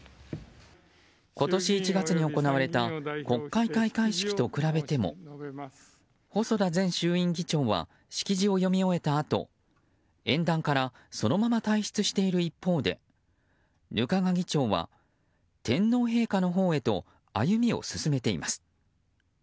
今年１月に行われた国会開会式と比べても細田前衆院議長は式辞を読み終えたあと演壇からそのまま退出している一方で額賀議長は、天皇陛下のほうへと歩みを進めています。